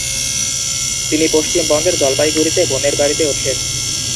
তিনি পশ্চিমবঙ্গের জলপাইগুড়িতে বোনের বাড়িতে ওঠেন।